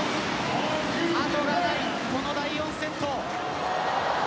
後がない、この第４セット。